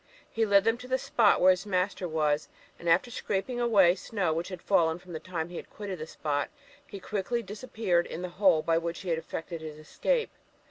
He led them to the spot where his master was, and, after scraping away the snow which had fallen from the time he had quitted the spot, he quickly disappeared in the hole by which he had effected his escape.